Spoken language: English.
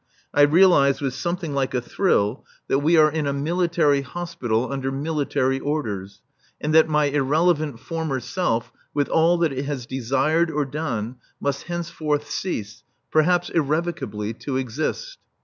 I realize with something like a thrill that we are in a military hospital under military orders; and that my irrelevant former self, with all that it has desired or done, must henceforth cease (perhaps irrevocably) to exist.